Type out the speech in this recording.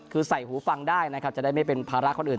คือใส่หูฟังได้นะครับจะได้ไม่เป็นภาระคนอื่น